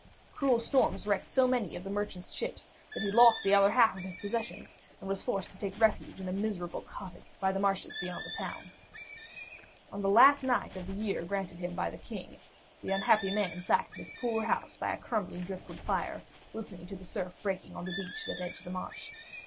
Cruel storms wrecked so many of the merchant's ships that he lost the other half of his possessions, and was forced to take refuge in a miserable cottage by the marshes beyond the town. On the last night of the year granted to him by the King, the unhappy man sat in his poor house by a crumbling driftwood fire, listening to the surf breaking on the beach that edged the marsh.